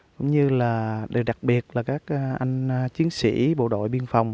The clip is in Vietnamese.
cũng như đặc biệt là các anh chiến sĩ bộ đội biên phòng